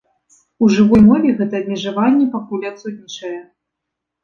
У жывой мове гэта размежаванне пакуль адсутнічае.